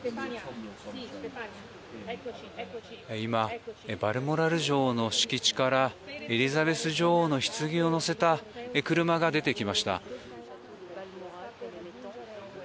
今バルモラル城の敷地からエリザベス女王のひつぎを載せた車が出てきました。